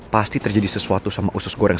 pasti terjadi sesuatu sama usus goreng